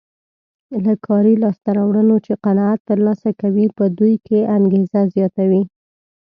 له کاري لاسته راوړنو چې قناعت ترلاسه کوي په دوی کې انګېزه زیاتوي.